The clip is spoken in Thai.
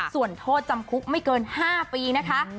ส่วนโทษจำคุกไม่เกิน๕ปีนะคะ